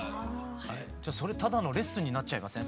じゃあそれただのレッスンになっちゃいません？